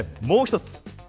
もう一つ。